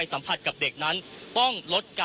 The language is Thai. คุณทัศนาควดทองเลยค่ะ